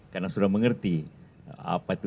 karena sudah mengerti apa itu